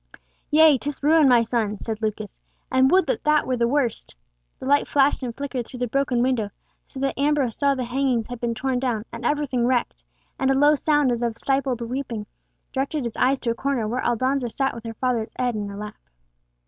"Yea! 'tis ruin, my son," said Lucas. "And would that that were the worst." The light flashed and flickered through the broken window so that Ambrose saw that the hangings had been torn down and everything wrecked, and a low sound as of stifled weeping directed his eyes to a corner where Aldonza sat with her father's head on her lap.